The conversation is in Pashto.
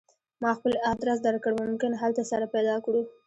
ما خپل ادرس درکړ ممکن هلته سره پیدا کړو